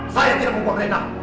saya tidak membuang rena